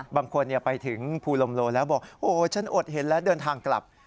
บางคนไปถึงภูลมโลแล้วบอกโอ้ฉันอดเห็นแล้วเดินทางกลับ